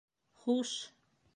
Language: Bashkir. — Хуш!